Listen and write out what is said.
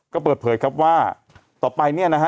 ก็เปิดเผยครับว่าต่อไปเนี่ยนะฮะ